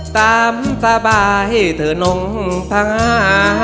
ตามสบายเถอะน้องพ้างา